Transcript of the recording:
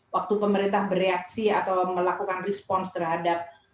waktu pemerintah bereaksi atau melakukan respons terhadap